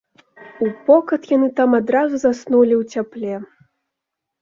Упокат яны там адразу заснулі ў цяпле.